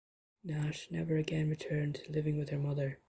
Nash never again returned to living with her mother.